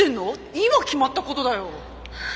今決まったことだよ。